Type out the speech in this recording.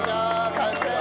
完成！